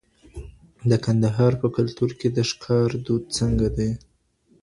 د کندهار په کلتور کي د ښکار دود څنګه دی؟